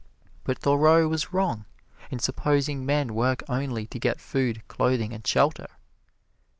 But Thoreau was wrong in supposing men work only to get food, clothing and shelter.